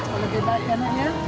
kalau lebih baik ya anaknya